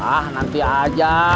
ah nanti aja